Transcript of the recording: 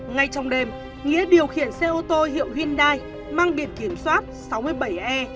ngay trong đêm nghĩa điều khiển xe ô tô hiệu hyundai mang biệt kiểm soát sáu mươi bảy e một trăm ba mươi sáu